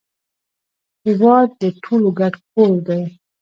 هیواد د ټولو ګډ کور دی